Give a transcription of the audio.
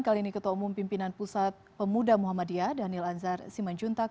kali ini ketua umum pimpinan pusat pemuda muhammadiyah daniel anzar simanjuntak